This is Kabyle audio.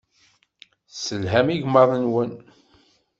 Tesselham igmaḍ-nwen.